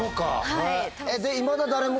はい。